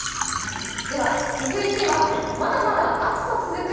では続いてはまだまだ暑さが続く